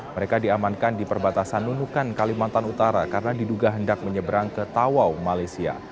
mereka diamankan di perbatasan nunukan kalimantan utara karena diduga hendak menyeberang ke tawau malaysia